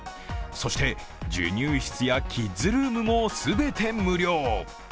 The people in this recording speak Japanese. そして授乳室やキッズルームも全て無料。